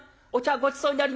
ごちそうになりました。